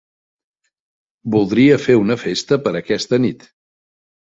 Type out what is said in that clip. Voldria fer una festa per aquesta nit.